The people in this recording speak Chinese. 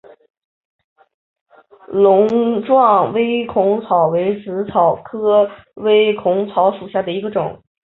萼状微孔草为紫草科微孔草属下的一个种。